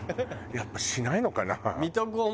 やっぱしないのかな？